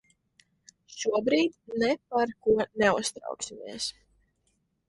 Šobrīd ne par ko neuztrauksimies.